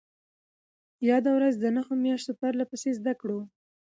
ياده ورځ د نهو مياشتو پرلهپسې زدهکړو